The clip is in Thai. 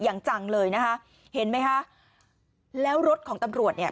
อย่างจังเลยนะคะเห็นไหมคะแล้วรถของตำรวจเนี่ย